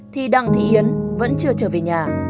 thì đặng thị yến vẫn chưa trở về nhà